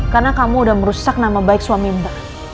karena kamu udah merusak nama baik suami mbak